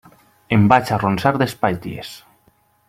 Em vaig arronsar d'espatlles.